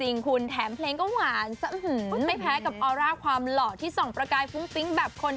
อื้อถึงผ่านน้ำเมียนรามุนรามุนน่ะมัย